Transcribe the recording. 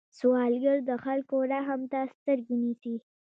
سوالګر د خلکو رحم ته سترګې نیسي